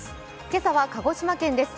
今朝は鹿児島県です。